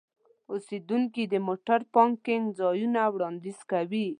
اوسیدونکي د موټر پارکینګ ځایونه وړاندیز کوي.